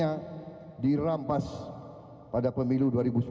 yang dirampas pada pemilu dua ribu sembilan belas